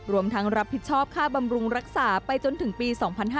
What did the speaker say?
รวมทั้งรับผิดชอบค่าบำรุงรักษาไปจนถึงปี๒๕๕๙